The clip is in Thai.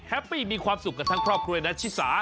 ปี้มีความสุขกับทั้งครอบครัวเลยนะชิสา